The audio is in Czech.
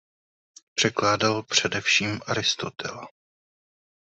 Překládal především Aristotela.